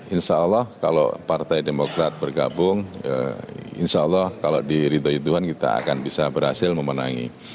insya allah kalau partai demokrat bergabung insya allah kalau di ridhoi tuhan kita akan bisa berhasil memenangi